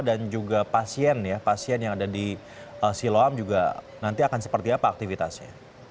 dan juga pasien ya pasien yang ada di siloam juga nanti akan seperti apa aktivitasnya